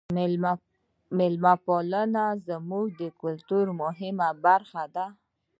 میلمه پالنه زموږ د کلتور مهمه برخه ده.